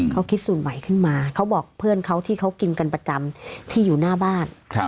เขาคิดสูตรใหม่ขึ้นมาเขาบอกเพื่อนเขาที่เขากินกันประจำที่อยู่หน้าบ้าน